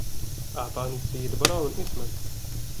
أعطاني السيد براون اسمَك.